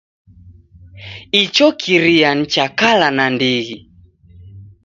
Icho kiria ni cha kala nandighi.